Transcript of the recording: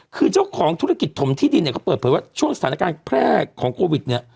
คือเจ้าของธุรกิจถมที่ดินเนี่ยเขาเปิดเผยว่าช่วงสถานการณ์แพร่ของโควิดเนี่ย